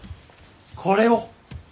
これを。